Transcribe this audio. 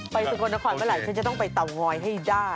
ไปสุโกนทะขวัยเมื่อไหร่ฉันจะต้องไปเตางอยให้ได้